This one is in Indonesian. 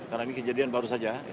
karena ini kejadian baru saja